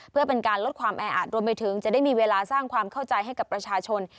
เพื่อเป็นการลดความแออัดรวมไปถึงจะได้มีเวลาสร้างความเข้าใจให้กับประชาชน